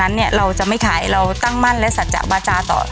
เนี่ยเราจะไม่ขายเราตั้งมั่นและสัจจะบาจาต่อ